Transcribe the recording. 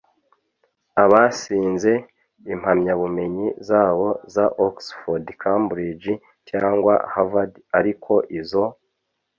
abasinze impamyabumenyi zabo za oxford, cambridge cyangwa harvard ariko izo